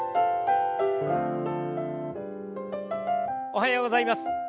おはようございます。